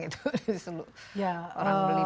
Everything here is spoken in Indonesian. di seluruh orang beli